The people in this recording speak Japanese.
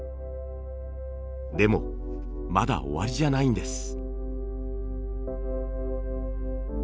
でもまだ終わりじゃないんです。